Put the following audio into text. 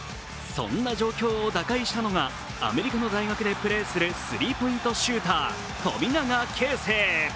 そんな状況を打開したのがアメリカの大学でプレーするスリーポイントシューター・富永啓生。